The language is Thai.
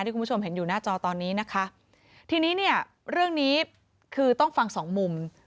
คุณผู้ชมเห็นอยู่หน้าจอตอนนี้นะคะทีนี้เนี่ยเรื่องนี้คือต้องฟังสองมุม